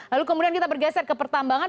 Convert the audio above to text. lalu kemudian kita bergeser ke pertambangan